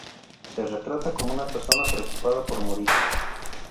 Se retrata como una persona preocupada por morir.